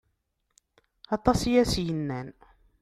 Atas i as-yennan.